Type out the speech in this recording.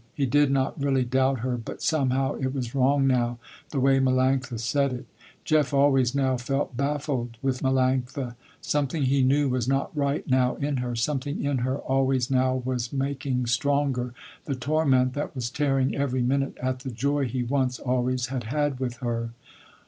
He did not really doubt her but somehow it was wrong now, the way Melanctha said it. Jeff always now felt baffled with Melanctha. Something, he knew, was not right now in her. Something in her always now was making stronger the torment that was tearing every minute at the joy he once always had had with her.